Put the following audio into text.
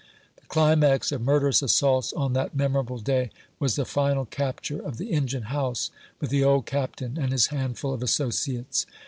The climax of murderous assaults on that memorable day was the final capture of the engine house, with the old Cap tain and his handful of associates.